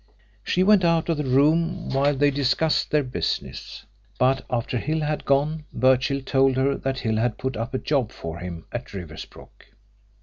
She went out of the room while they discussed their business, but after Hill had gone Birchill told her that Hill had put up a job for him at Riversbrook.